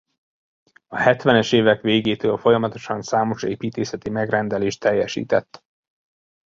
A hetvenes évek végétől folyamatosan számos építészeti megrendelést teljesített.